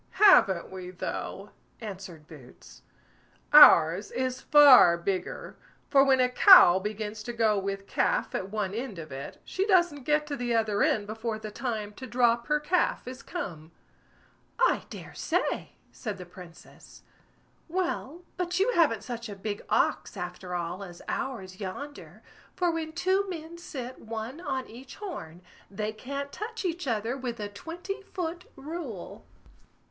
"Haven't we though!" answered Boots; "ours is far bigger; for when a cow begins to go with calf at one end of it, she doesn't get to the other end before the time to drop her calf is come." "I dare say!" said the Princess. "Well, but you haven't such a big ox, after all, as ours yonder; for when two men sit one on each horn, they can't touch each other with a twenty foot rule."